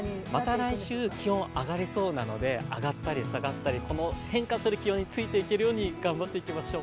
また来週気温上がりそうなので、上がったり下がったりこの変化する気温についていけるように頑張っていきましょう。